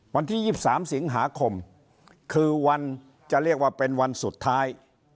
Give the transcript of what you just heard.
วันที่๒๓สิงหาคมคือวันจะเรียกว่าเป็นวันสุดท้าย